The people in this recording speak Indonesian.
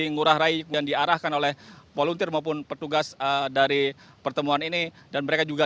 mengurah raih yang diarahkan oleh volunteer maupun petugas dari pertemuan ini dan mereka juga